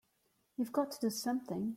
You've got to do something!